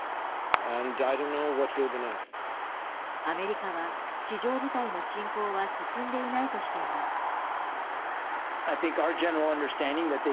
アメリカは、地上部隊の侵攻は進んでいないとしています。